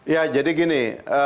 ya jadi gini